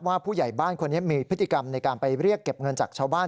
ผู้ใหญ่บ้านคนนี้มีพฤติกรรมในการไปเรียกเก็บเงินจากชาวบ้าน